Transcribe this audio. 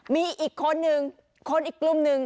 มีอีกคนนึงคนอีกกลุ่มหนึ่ง